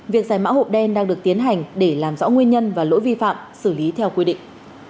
việc giải mã hộp đen đang được tiến hành để làm rõ nguyên nhân và lỗi vi phạm xử lý theo quy định